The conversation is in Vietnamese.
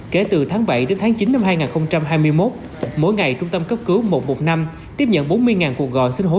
kể từ tháng bảy đến tháng chín năm hai nghìn hai mươi một mỗi ngày trung tâm cấp cứu một trăm một mươi năm tiếp nhận bốn mươi cuộc gọi xin hỗ trợ